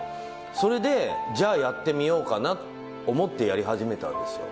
それで、じゃやってみようかなって思ってやり始めたんですよ。